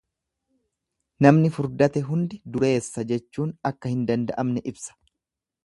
Namni furdate hundi dureessa jechuun akka hin danda'amne ibsa.